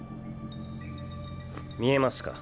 見えますか？